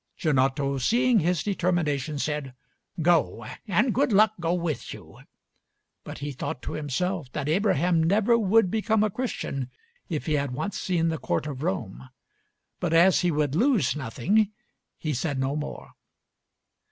Gianotto seeing his determination said, "Go, and good luck go with you;" but he thought to himself that Abraham never would become a Christian if he had once seen the court of Rome, but as he would lose nothing he said no more.